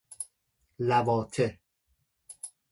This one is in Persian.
لواطه